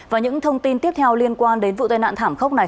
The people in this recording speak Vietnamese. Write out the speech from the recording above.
và những thông tin tiếp theo liên quan đến vụ tai nạn thảm khốc này